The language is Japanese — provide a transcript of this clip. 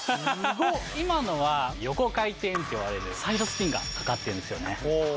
今のは、横回転といわれるサイドスピンがかかっているんですよね。